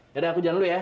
yaudah aku jalan dulu ya